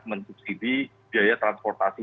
mensubsidi biaya transportasi